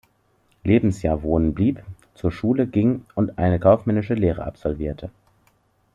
Lebensjahr wohnen blieb, zur Schule ging und eine kaufmännische Lehre absolvierte.